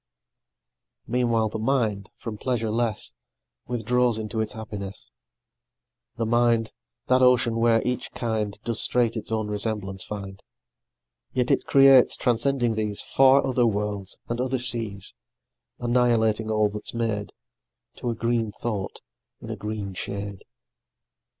Meanwhile the mind, from pleasure less, Withdraws into its happiness; The mind, that ocean where each kind Does straight its own resemblance find, Yet it creates, transcending these, Far other worlds, and other seas; Annihilating all that's made To a green thought in a green shade.